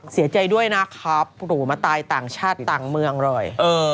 เสียใจด้วยนะครับหรูมาตายต่างชาติต่างเมืองเลย